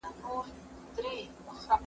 د شتمنو خلګو سخاوت د ټولني درد دوا کوي.